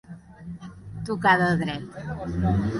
Tocar de dret.